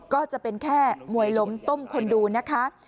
ก็จะเป็นแค่มวยล้มต้มคนดูนะคะ